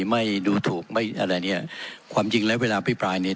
ไม่ดูถูกไม่อะไรเนี่ยความจริงแล้วเวลาพิปรายเนี่ย